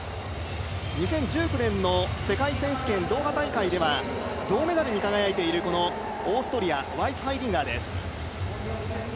２０１９年の世界選手権ドーハ大会では銅メダルに輝いているオーストリア、ワイスハイディンガーです。